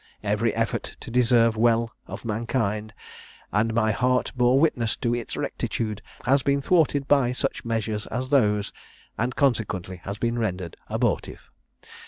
Every effort to deserve well of mankind, and my heart bore witness to its rectitude, has been thwarted by such measures as those, and consequently has been rendered abortive.